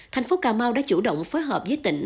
thành phố cà mau đã chủ động phối hợp với tỉnh